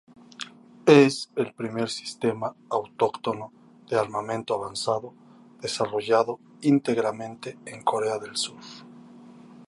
Es el primer sistema autóctono de armamento avanzado desarrollado íntegramente en Corea del Sur.